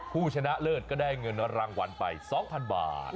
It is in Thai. ผู้ชนะเลิศก็ได้เงินรางวัลไป๒๐๐๐บาท